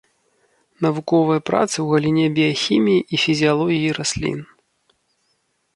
Навуковыя працы ў галіне біяхіміі і фізіялогіі раслін.